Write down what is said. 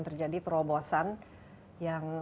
terjadi terobosan yang